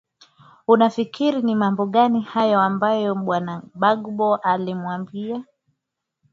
unafikiri ni mambo gani hayo ambayo bwana bagdbo alimwambia